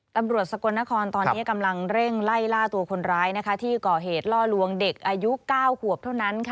ตำรวจสกลนครตอนนี้กำลังเร่งไล่ล่าตัวคนร้ายที่ก่อเหตุล่อลวงเด็กอายุ๙ขวบเท่านั้น